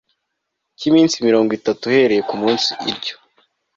cy iminsi mirongo itatu uhereye ku munsi iryo